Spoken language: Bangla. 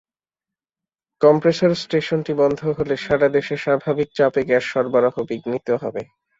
কমপ্রেসর স্টেশনটি বন্ধ হলে সারা দেশে স্বাভাবিক চাপে গ্যাস সরবরাহ বিঘ্নিত হবে।